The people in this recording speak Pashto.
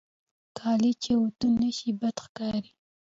کالي چې اوتو نهشي، بد ښکاري.